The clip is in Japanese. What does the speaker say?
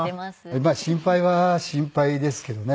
心配は心配ですけどね。